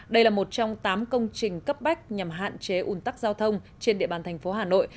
đây là một trong tám công trình cấp bách nhằm hạn chế ủn tắc giao thông trên địa bàn thành phố hà nội